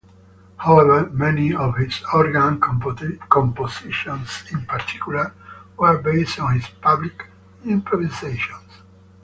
However, many of his organ compositions in particular were based on his public improvisations.